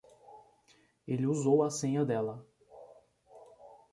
Ele usou a senha dela.